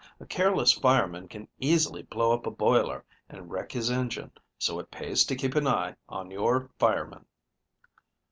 A careless fireman can easily blow up a boiler and wreck his engine, so it pays to keep an eye on your fireman."